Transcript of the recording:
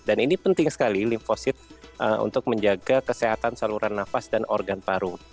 dan ini penting sekali limfosit untuk menjaga kesehatan saluran nafas dan organ paru